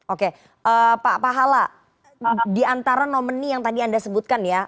oke pak pahala diantara nomini yang tadi anda sebutkan ya